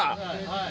はい。